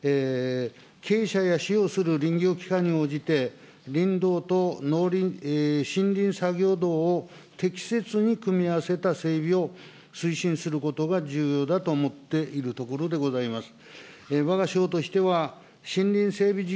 傾斜や、使用する林業機関に応じて、林道と森林作業道を適切に組み合わせた整備を推進することが重要だと思っているところでございます。